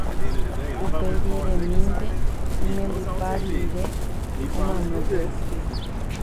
uperiremínte imembypa rire omanókuri